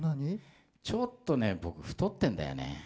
ちょっとね、僕太ってるんだよね。